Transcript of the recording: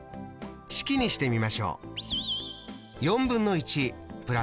式にしてみましょう。